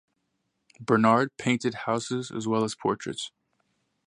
Burnard painted houses as well as portraits.